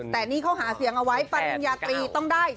แต่นี่เขาหาเสียงเอาไว้ปริญญาตรีต้องได้